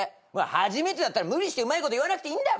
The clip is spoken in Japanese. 初めてだったら無理してうまいこと言わなくていいんだ。